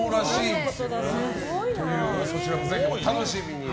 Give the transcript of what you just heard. そちらもぜひお楽しみに。